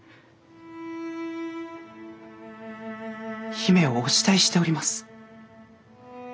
姫をお慕いしております。